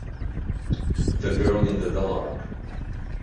The Girl in the Dark